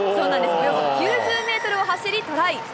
およそ９０メートルを走り、トライ。